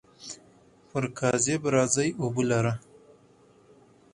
پر کاذب راځي اوبو لره.